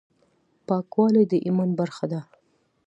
پاکوالي د ايمان برخه ده.